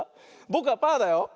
ぼくはパーだよ。